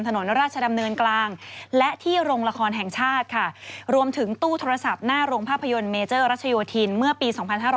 ถนนราชดำเนินกลางและที่โรงละครแห่งชาติค่ะรวมถึงตู้โทรศัพท์หน้าโรงภาพยนตร์เมเจอร์รัชโยธินเมื่อปี๒๕๕๙